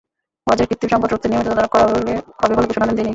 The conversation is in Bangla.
বাজারে কৃত্রিম সংকট রুখতে নিয়মিত তদারক করা হবে বলে ঘোষণা দেন তিনি।